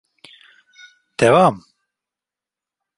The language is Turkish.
Devam!